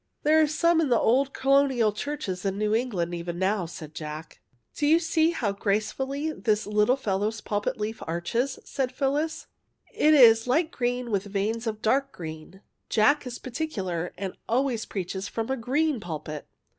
'* There are some in the old Colonial churches of New England even now," said Jack. " Do see how gracefully this little fellow's pulpit leaf arches!" said PhyUis. "It 62 JACK IN THE PULPIT is Light green with veins of dark green. Jack is particular, and always preaches from a green pulpit.''